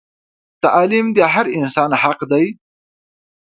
تعلیم د هر انسان حق دی